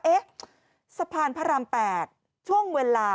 สะพานพระราม๘ช่วงเวลา